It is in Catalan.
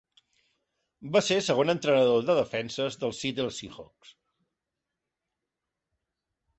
Va ser segon entrenador de defenses dels Seattle Seahawks.